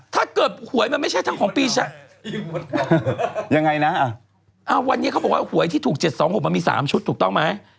ถ้าเกิดหวยมันไม่ใช่ทั้งของปีชายังไงน่ะอ่ะอ่าวันนี้เขาบอกว่าหวยที่ถูกเจ็ดสองหกมันมีสามชุดถูกต้องไหม